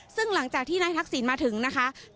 ซึ่งหลังจากที่นายทักษิณมาถึงนะคะ